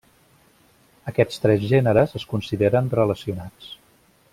Aquests tres gèneres es consideren relacionats.